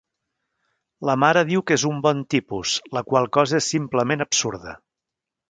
La mare diu que és un bon tipus, la qual cosa és simplement absurda.